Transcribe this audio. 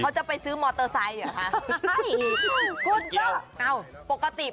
เขาจะไปซื้อมอเตอร์ไซค์ครับ